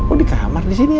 oh di kamar disini aja